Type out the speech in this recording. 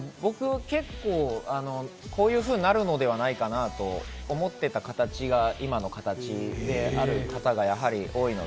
僕は結構、こういうふうになるのではないかと思っていた形が今の形である方が多いので。